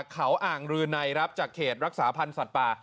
เขาอ่างรืนัยครับจากเขตรักษาพันธ์สัตว์ป่า